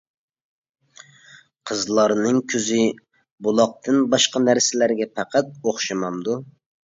قىزلارنىڭ كۈزى بۇلاقتىن باشقا نەرسىلەرگە پەقەت ئوخشىمامدۇ؟ .